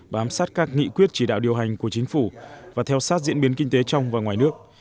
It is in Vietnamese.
bám sát các nghị quyết chỉ đạo điều hành của chính phủ và theo sát diễn biến kinh tế trong và ngoài nước